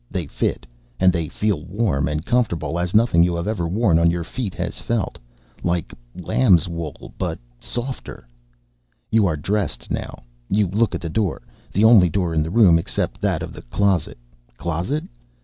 They fit, and they feel warm and comfortable as nothing you have ever worn on your feet has felt. Like lamb's wool, but softer. You are dressed now. You look at the door the only door of the room except that of the closet (closet?)